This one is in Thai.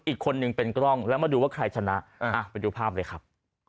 อีกคนนึงเป็นกล้องแล้วมาดูว่าใครชนะไปดูภาพเลยครับ